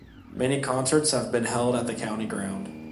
Many concerts have been held at the County Ground.